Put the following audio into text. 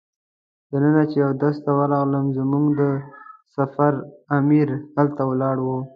دننه چې اودس ته ورغلم زموږ د سفر امیر هلته ولاړ و.